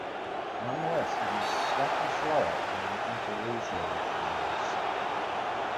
Nonetheless, it is slightly slower than InterRegio trains.